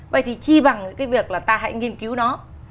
vậy thì chi bằng những cái việc là ta hãy nghiên cứu nó